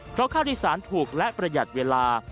เพราะค่าโดยสารถูกและประหยัดเวลา